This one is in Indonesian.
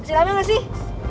masih lame gak sih